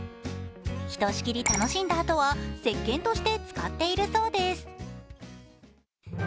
ひとしきり楽しんだあとはせっけんとして使っているそうです。